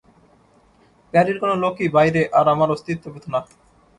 প্যারির কোনো লোকই বাইরে আর আমার অস্তিত্ব পেত না।